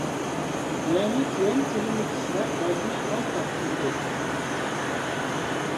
يەنى، تۆۋەن كىرىملىك كىشىلەر باجنى ئاز تاپشۇرىدۇ.